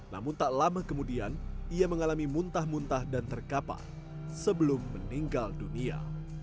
namun tak lama kemudian ia mengalami muntah muntah dan terkapar sebelum meninggal dunia